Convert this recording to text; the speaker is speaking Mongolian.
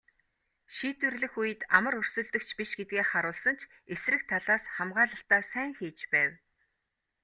Шийдвэрлэх үед амар өрсөлдөгч биш гэдгээ харуулсан ч эсрэг талаас хамгаалалтаа сайн хийж байв.